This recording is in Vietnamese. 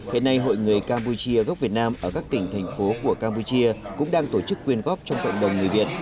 hiện nay hội người campuchia gốc việt nam ở các tỉnh thành phố của campuchia cũng đang tổ chức quyên góp trong cộng đồng người việt